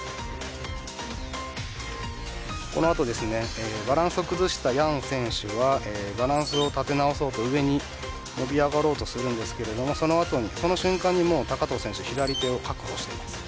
この後バランスを崩したヤン選手がバランスを立て直そうと上に伸び上がろうとしますがそのあとに高藤選手が左手を確保しています。